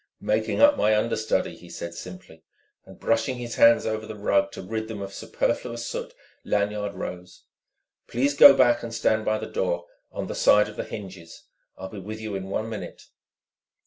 "Making up my understudy," he said simply. And brushing his hands over the rug to rid them of superfluous soot, Lanyard rose. "Please go back and stand by the door on the side of the hinges. I'll be with you in one minute."